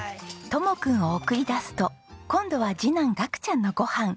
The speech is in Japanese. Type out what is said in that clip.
知くんを送り出すと今度は次男楽ちゃんのご飯。